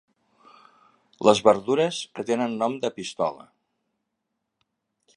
Les verdures que tenen nom de pistola.